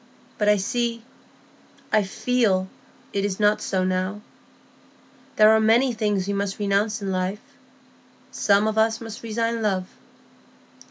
But I see—I feel it is not so now; there are things we must renounce in life; some of us must resign love.